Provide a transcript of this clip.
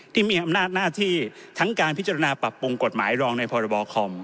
ที่มีอำนาจหน้าที่ทั้งการพิจารณาปรับปรุงกฎหมายรองในพรบคอม